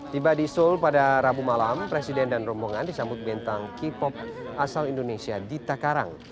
tiba di seoul pada rabu malam presiden dan rombongan disambut bentang k pop asal indonesia dita karang